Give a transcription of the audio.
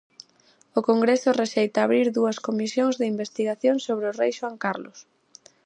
O Congreso rexeita abrir dúas comisións de investigación sobre o rei Xoán Carlos.